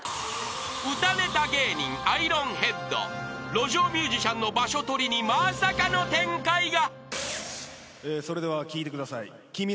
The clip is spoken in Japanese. ［路上ミュージシャンの場所取りにまさかの展開が］